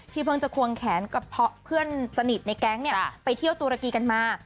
เพิ่งจะควงแขนกับเพื่อนสนิทในแก๊งไปเที่ยวตุรกีกันมา